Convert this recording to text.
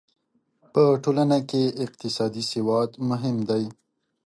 په ټولنه کې اقتصادي سواد مهم دی.